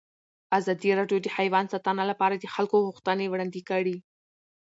ازادي راډیو د حیوان ساتنه لپاره د خلکو غوښتنې وړاندې کړي.